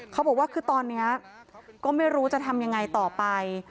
เขาบอกว่าคือตอนนี้ก็ไม่รู้จะทำยังไงต่อไป